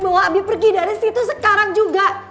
bawa abi pergi dari situ sekarang juga